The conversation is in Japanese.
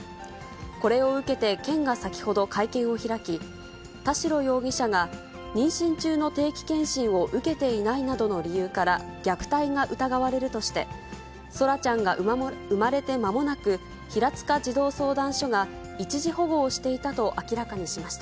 これを受けて県が先ほど会見を開き、田代容疑者が妊娠中の定期検診を受けていないなどの理由から、虐待が疑われるとして、空来ちゃんが生まれて間もなく、平塚児童相談所が一時保護をしていたと明らかにしました。